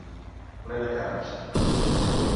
Ple de carns.